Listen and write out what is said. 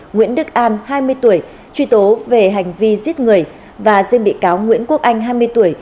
nguyễn đức an hai mươi tuổi truy tố về hành vi giết người và riêng bị cáo nguyễn quốc anh hai mươi tuổi